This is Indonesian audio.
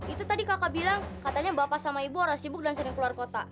itu tadi kakak bilang katanya bapak sama ibu orang sibuk dan sering keluar kota